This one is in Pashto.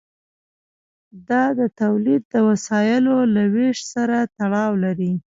دا د تولید د وسایلو له ویش سره تړاو لري.